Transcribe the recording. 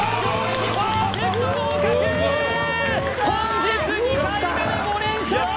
本日２回目で５連勝！